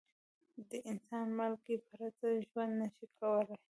انسان له مالګې پرته ژوند نه شي کولای.